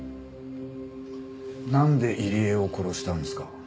なんで入江を殺したんですか？